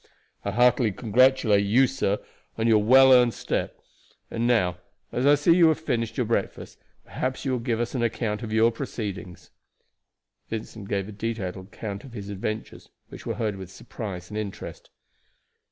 I heartily congratulate you, sir, on your well earned step. And now, as I see you have finished your breakfast, perhaps, you will give us an account of your proceedings." Vincent gave a detailed account of his adventures, which were heard with surprise and interest.